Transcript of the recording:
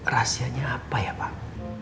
rasanya apa ya pak